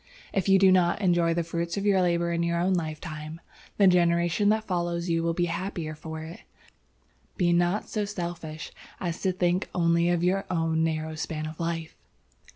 If you do not enjoy the fruit of your labor in your own lifetime, the generation that follows you will be the happier for it. Be not so selfish as to think only of your own narrow span of life."